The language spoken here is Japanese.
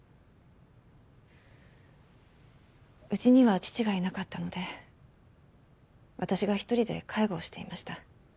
うちには父がいなかったので私が一人で介護をしていました。